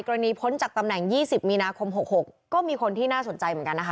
กรณีพ้นจากตำแหน่งยี่สิบมีนาคมหกหกก็มีคนที่น่าสนใจเหมือนกันนะคะ